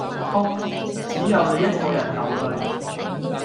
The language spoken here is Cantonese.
哭，只有你一個人流淚